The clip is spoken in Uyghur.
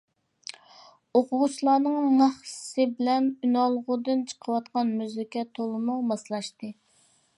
ئوقۇغۇچىلارنىڭ ناخشىسى بىلەن ئۈنئالغۇدىن چىقىۋاتقان مۇزىكا تولىمۇ ماسلاشتى.